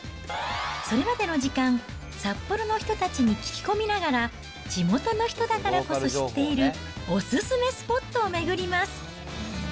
それまでの時間、札幌の人たちに聞き込みながら、地元の人だからこそ知っているお勧めスポットを巡ります。